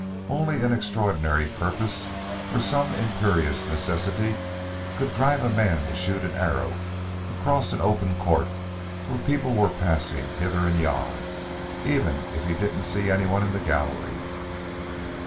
Only an extraordinary purpose or some imperious necessity could drive a man to shoot an arrow across an open court where people were passing hither and yon, even if he didn't see anyone in the gallery."